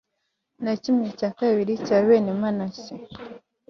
na kimwe cya kabiri cya bene manase